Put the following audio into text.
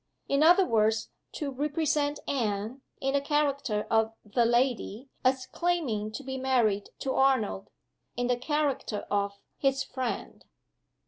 In other words, to represent Anne (in the character of "the lady") as claiming to be married to Arnold (in the character of "his friend").